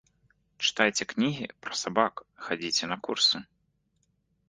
Чытайце кнігі пра сабак, хадзіце на курсы.